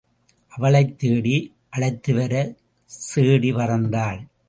அவளைத் தேடி அழைத்துவர, சேடி பறந்தாள்.